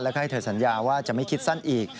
แล้วก็ให้เธอสัญญาว่าจะไม่คิดสั้นอีก